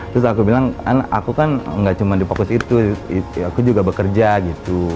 terus aku bilang aku kan nggak cuma dipokus itu aku juga bekerja gitu